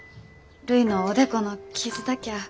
るいのおでこの傷だきゃあ